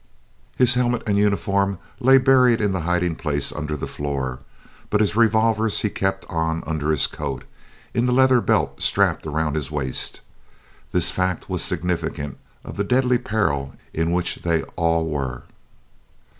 His helmet and uniform lay buried in the hiding place under the floor, but his revolvers he kept on under his coat, in the leathern belt strapped around his waist. This fact was significant of the deadly peril in which they all were.